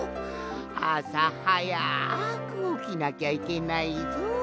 あさはやくおきなきゃいけないぞ。